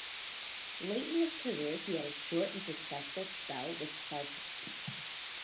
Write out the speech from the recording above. Late in his career, he had a short and successful spell with Celtic.